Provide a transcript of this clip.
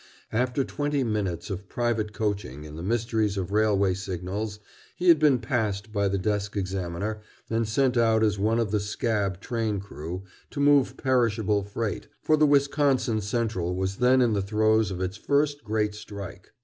After twenty minutes of private coaching in the mysteries of railway signals, he had been "passed" by the desk examiner and sent out as one of the "scab" train crew to move perishable freight, for the Wisconsin Central was then in the throes of its first great strike.